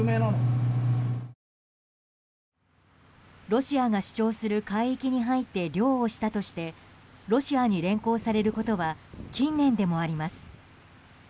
ロシアが主張する海域に入って漁をしたとしてロシアに連行されることは近年でもあります。